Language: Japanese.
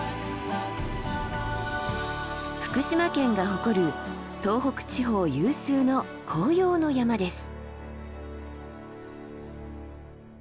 福島県が誇る東北地方有数の紅葉の山です。